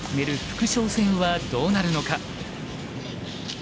副将戦はどうなるのか。